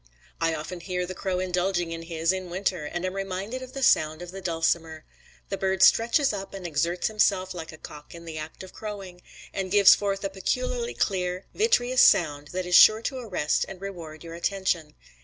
I often hear the crow indulging in his in winter, and am reminded of the sound of the dulcimer. The bird stretches up and exerts himself like a cock in the act of crowing, and gives forth a peculiarly clear, vitreous sound that is sure to arrest and reward your attention.